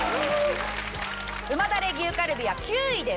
旨だれ牛カルビは９位です。